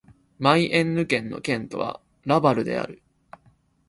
マイエンヌ県の県都はラヴァルである